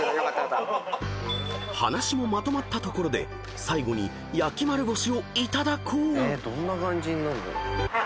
［話もまとまったところで最後に焼き丸干しを頂こう］